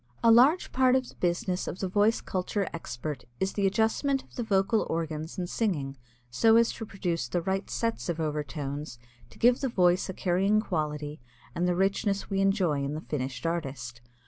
A large part of the business of the voice culture expert is the adjustment of the vocal organs in singing so as to produce the right sets of overtones to give the voice a carrying quality and the richness we enjoy in the finished artist.